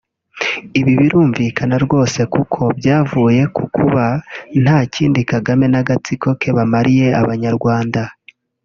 Ibi birumvikana rwose kuko byavuye ku kuba nta kindi Kagame n’agatsiko ke bamariye abanyarwanda